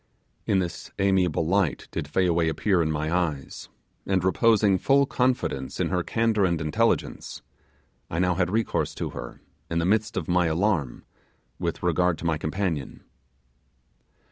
In this amiable light did Fayaway appear in my eyes; and reposing full confidence in her candour and intelligence, I now had recourse to her, in the midst of my alarm, with regard to my companion.